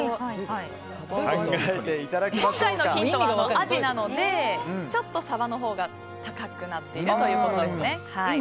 今のはアジなのでちょっとサバのほうが高くなっているということですね。